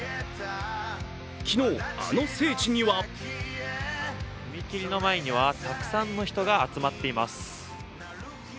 昨日、あの聖地には踏切の前にはたくさんの人が集まっています。